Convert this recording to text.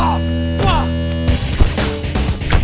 kau harus hafal penuh ya